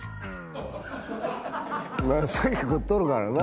先食っとるからな。